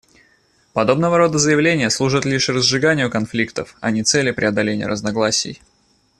Подобного рода заявления служат лишь разжиганию конфликтов, а не цели преодоления разногласий.